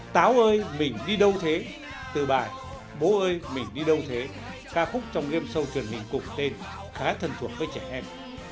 táo ơi mình đi đâu thế từ bài bố ơi mình đi đâu thế ca khúc trong game show truyền hình cùng tên khá thân thuộc với trẻ em